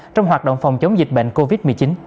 trong hoạt động phòng chống dịch bệnh covid một mươi chín